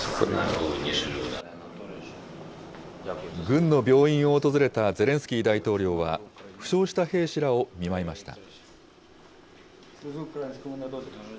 軍の病院を訪れたゼレンスキー大統領は、負傷した兵士らを見舞いました。